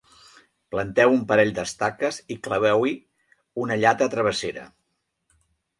Planteu un parell d'estaques i claveu-hi una llata travessera.